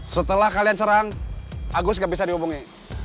setelah kalian serang agus gak bisa dihubungi